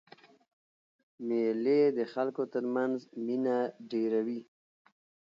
مېلې د خلکو تر منځ مینه ډېروي.